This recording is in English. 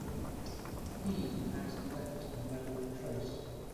He has left no trace.